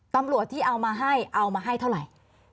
ตำรวจที่เอามาให้เอามาให้เท่าไหร่